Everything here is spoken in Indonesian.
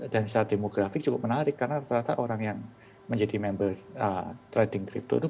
dan secara demografis cukup menarik karena ternyata orang yang menjadi member trading kripto itu